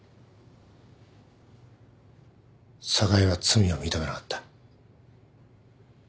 寒河江は罪を認めなかった。